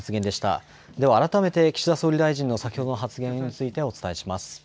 では改めて岸田総理大臣の先ほどの発言についてお伝えします。